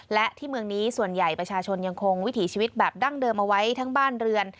และที่เมืองนี้ส่วนใหญ่ประชาชนยังคงวิถีชีวิตแบบดั้งเดิมเอาไว้ทั้งบ้านเรือน